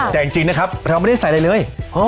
แต่จริงนะครับเราไม่ได้ใส่อะไรเลย